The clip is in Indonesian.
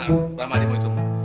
nah rahmadi mau ketemu